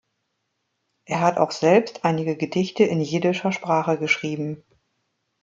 Er hat auch selbst einige Gedichte in jiddischer Sprache geschrieben.